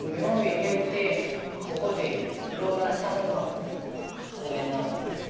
ここでローラーしたもんがこれになるんだ